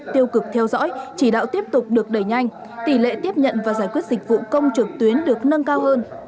tiêu cực theo dõi chỉ đạo tiếp tục được đẩy nhanh tỷ lệ tiếp nhận và giải quyết dịch vụ công trực tuyến được nâng cao hơn